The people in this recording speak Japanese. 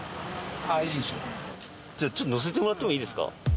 じゃあちょっと乗せてもらってもいいですか。